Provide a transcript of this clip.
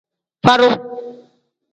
Fadu.